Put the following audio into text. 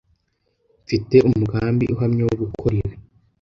Nfite umugambi uhamye wo gukora ibi.